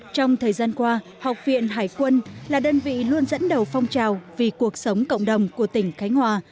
trong thời gian qua học viện hải quân là đơn vị luôn dẫn đầu phong trào vì cuộc sống cộng đồng của tỉnh khánh hòa